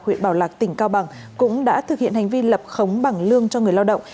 huyện bảo lạc tỉnh cao bằng cũng đã thực hiện hành vi lập khống bảng lương cho người lao động